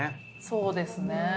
そうですね。